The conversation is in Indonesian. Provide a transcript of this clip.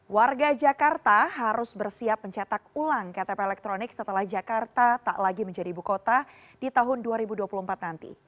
warga jakarta harus bersiap mencetak ulang ktp elektronik setelah jakarta tak lagi menjadi ibu kota di tahun dua ribu dua puluh empat nanti